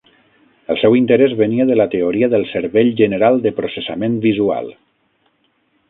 El seu interès venia de la teoria del cervell general de processament visual.